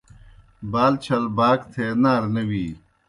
بال چھل باک تھے نارہ نہ وی۔